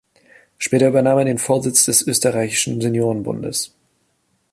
Später übernahm er den Vorsitz des Österreichischen Seniorenbundes.